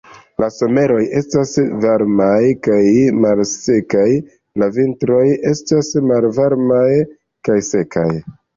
La someroj estas varmaj kaj malsekaj, la vintroj estas malvarmaj kaj sekaj.